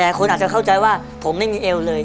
คนอาจจะเข้าใจว่าผมไม่มีเอวเลย